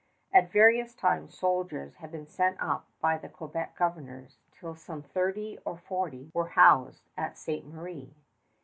At various times soldiers had been sent up by the Quebec governors, till some thirty or forty were housed at Ste. Marie.